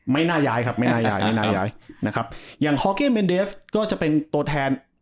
ไม่น่าย้ายครับไม่น่าย้ายไม่น่าย้ายนะครับอย่างฮอเกมเมนเดสก็จะเป็นตัวแทน